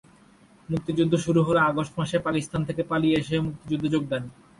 মুক্তিযুদ্ধ শুরু হলে আগস্ট মাসে পাকিস্তান থেকে পালিয়ে এসে মুক্তিযুদ্ধে যোগ দেন।